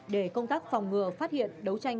để công tác phòng ngừa phát hiện đấu tranh